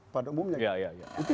pada umumnya gitu